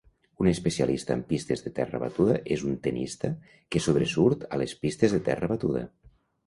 Un especialista en pistes de terra batuda és un tennista que sobresurt a les pistes de terra batuda.